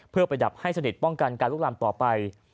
เพื่อไปดับให้สนิทป้องกันการลุกลามต่อไป